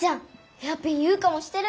ヘアピン優花もしてる。